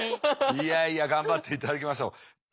いやいや頑張っていただきましょう。